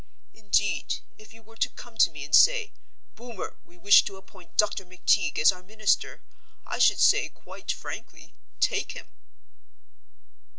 Indeed, if you were to come to me and say, 'Boomer, we wish to appoint Dr. McTeague as our minister,' I should say, quite frankly, 'Take him.'"